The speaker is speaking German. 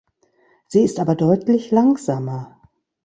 Sie ist aber deutlich langsamer.